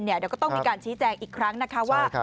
เดี๋ยวก็ต้องมีการชี้แจงอีกครั้งนะคะว่า